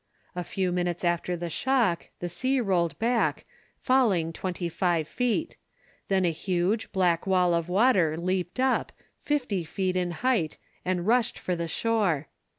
A few minutes after the shock, the sea rolled back, falling twenty five feet; then a huge, black wall of water leaped up, fifty feet in height, and rushed for the shore.